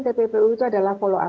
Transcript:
tppu itu adalah follow up